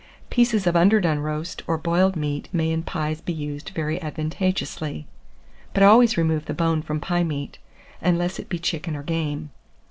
Pieces of underdone roast or boiled meat may in pies be used very advantageously; but always remove the bone from pie meat, unless it be chicken or game.